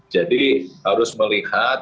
jadi harus melihat